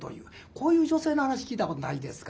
こういう女性の話聞いたことないですか？